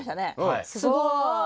すごい。